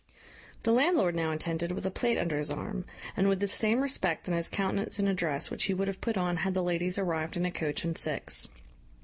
The landlord now attended with a plate under his arm, and with the same respect in his countenance and address which he would have put on had the ladies arrived in a coach and six.